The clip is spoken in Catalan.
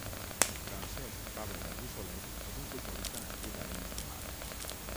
Francesc Fàbregas i Soler és un futbolista nascut a Arenys de Mar.